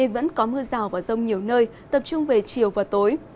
rông rào và rông nhiều nơi tập trung về chiều và tối